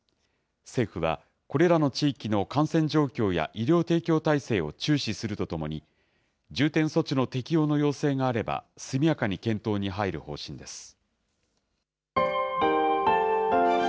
政府は、これらの地域の感染状況や医療提供体制を注視するとともに、重点措置の適用の要請があれば速やかに検討に入る方針です。